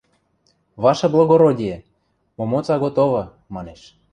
– Ваше благородие, момоца готовы! – манеш.